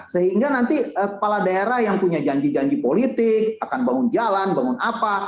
sehingga nanti kepala daerah yang punya janji janji politik akan bangun jalan bangun apa